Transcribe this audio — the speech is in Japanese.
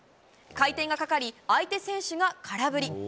回転がかかり相手選手が空振り。